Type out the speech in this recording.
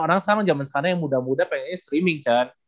orang sekarang zaman sekarang yang muda muda pengennya streaming